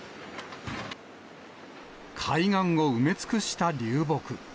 海岸を埋め尽くした流木。